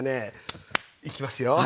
いきますよ。